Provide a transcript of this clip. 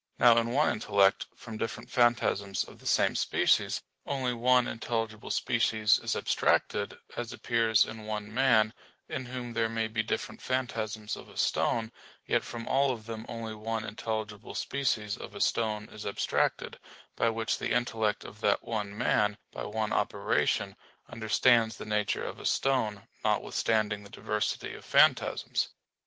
Now in one intellect, from different phantasms of the same species, only one intelligible species is abstracted; as appears in one man, in whom there may be different phantasms of a stone; yet from all of them only one intelligible species of a stone is abstracted; by which the intellect of that one man, by one operation, understands the nature of a stone, notwithstanding the diversity of phantasms.